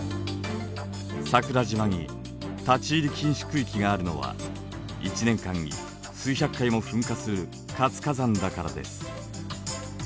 桜島に立ち入り禁止区域があるのは１年間に数百回も噴火する活火山だからです。